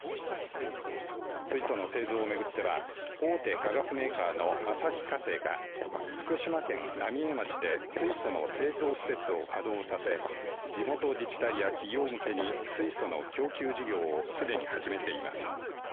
水素の製造を巡っては大手化学メーカーの旭化成が福島県浪江町で水素の製造施設を稼働させ地元自治体や企業向けに水素の供給事業をすでに始めています。